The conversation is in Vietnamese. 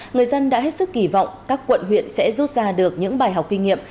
người dân đã hết sức kỳ vọng các quận huyện sẽ rút ra được những bài học kinh nghiệm